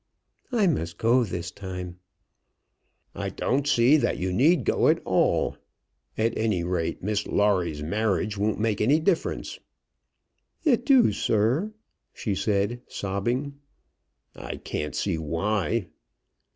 I must go this time." "I don't see that you need go at all; at any rate, Miss Lawrie's marriage won't make any difference." "It do, sir," she said, sobbing. "I can't see why."